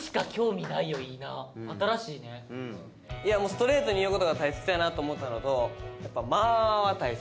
ストレートに言う事が大切やなと思ったのとやっぱ。